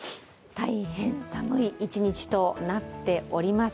大変寒い一日となっております。